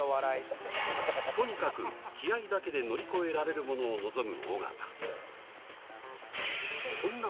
とにかく気合いだけで乗り越えられるものを望む